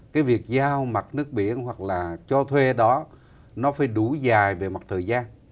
cái việc giao mặt nước biển hoặc là cho thuê đó nó phải đủ dài về mặt thời gian